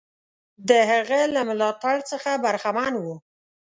د هغه له ملاتړ څخه برخمن وو.